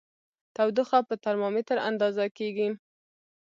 تودوخه په ترمامیتر اندازه کېږي.